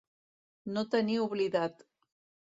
No tenir oblidat.